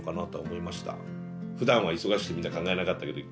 ふだんは忙しくてみんな考えなかったけど